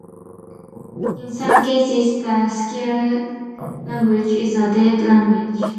In some cases, the sacred language is a dead language.